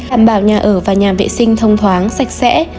đảm bảo nhà ở và nhà vệ sinh thông thoáng sạch sẽ